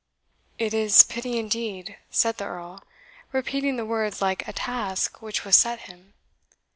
"It is pity indeed," said the Earl, repeating the words like a task which was set him.